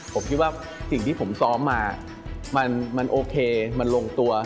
ผมคิดว่าสิ่งที่ผมซ้อมมามันโอเคมันลงตัว